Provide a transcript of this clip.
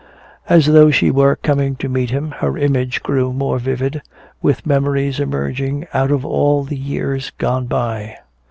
As though she were coming to meet him, her image grew more vivid, with memories emerging out of all the years gone by.